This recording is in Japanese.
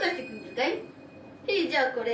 へいじゃあこれ。